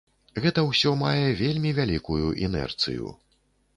Гэта ўсё мае вельмі вялікую інерцыю.